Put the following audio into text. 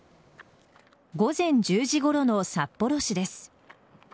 午前１０時ごろの札幌市です。